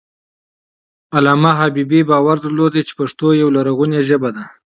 علامه حبيبي باور درلود چې پښتو یوه لرغونې ژبه ده.